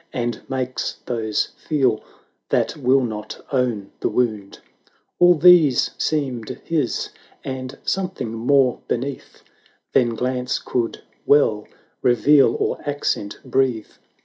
And makes those feel that will not own the wound; Canto i. LARA 391 All these seemed his, and something more beneath Than glance could well reveal, or accent breathe.